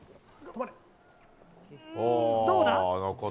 どうだ？